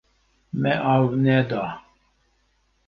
Me av neda.